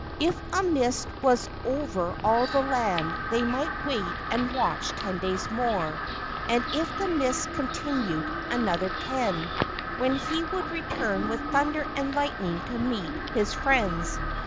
If a mist was over all the land they might wait and watch ten days more, and if the mist continued, another ten, when he would return with thunder and lightning to meet his friends.